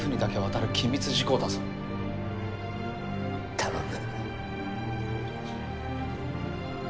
頼む。